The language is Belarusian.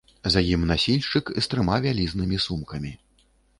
А за ім насільшчык з трыма вялізнымі сумкамі.